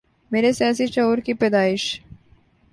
میرے سیاسی شعور کی پیدائش